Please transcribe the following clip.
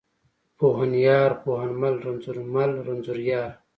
پوهنيار، پوهنمل، رنځورمل، رنځوریار.